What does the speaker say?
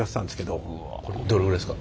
どれぐらいですか？